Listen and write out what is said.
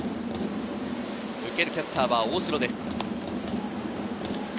受けるキャッチャーは大城です。